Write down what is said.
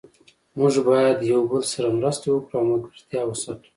موږ باید یو بل سره مرسته وکړو او ملګرتیا وساتو